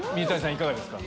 いかがですか？